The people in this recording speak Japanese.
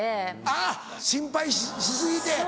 あっ心配し過ぎて。